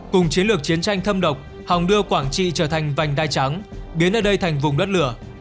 cùng chiến lược chiến tranh thâm độc hòng đưa quảng trị trở thành vành đai trắng biến ở đây thành vùng đất lửa